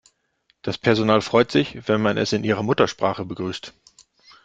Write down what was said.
Das Personal freut sich, wenn man es in ihrer Muttersprache begrüßt.